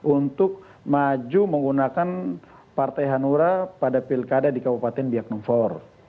untuk maju menggunakan partai hanura pada pilkada di kaupaten biak nungfor